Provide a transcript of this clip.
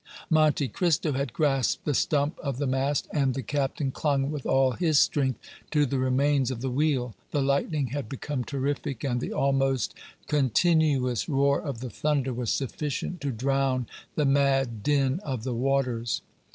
Monte Cristo had grasped the stump of the mast, and the captain clung with all his strength to the remains of the wheel. The lightning had become terrific, and the almost continuous roar of the thunder was sufficient to drown the mad din of the waters.